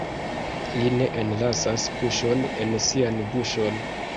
Li ne enlasas puŝon en sian buŝon.